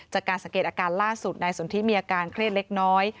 จากการสังเกตอาการล่าสุดนายสนทิมีอาการเครียดเล็กน้อย